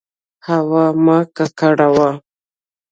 هوا مه ککړوه.